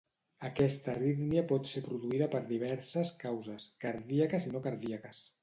Aquesta arrítmia pot ser produïda per diverses causes: cardíaques i no cardíaques.